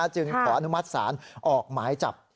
จึงขออนุมัติศาลออกหมายจับ